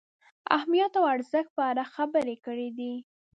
اهمیت او ارزښت په اړه خبرې کړې دي.